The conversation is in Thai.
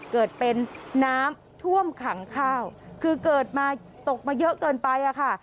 เกิดเป็นน้ำท่วมขังข้าวคือเกิดมาตกมาเยอะเกินไปอะค่ะ